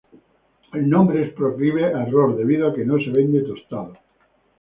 El nombre es proclive a error debido a que no se vende tostado.